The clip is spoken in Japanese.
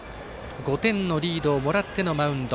５点のリードをもらってのマウンド。